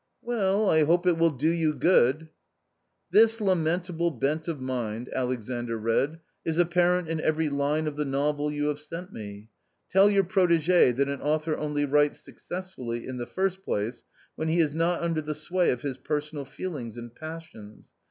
" Well, I hope it will do you good !" "This lamentable bent of mind," Alexandr read, "is apparent in every line of the novel you have sent me. Tell your protigk that an author only writes successfully, in the first place, when he is not under the sway of his personal feelings and passions.